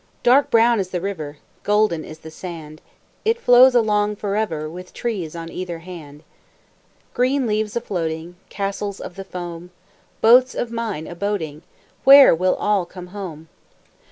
Dark brown is the river, Golden is the sand, It flows along forever, With trees on either hand. Green leaves a floating, Castles of the foam, Boats of mine a boating Where will all come home?